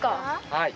はい。